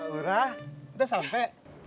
aura udah sampe